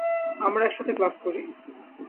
আমরা একসাথে ক্লাস করি।